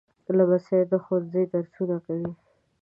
لمسی د ښوونځي درسونه کوي.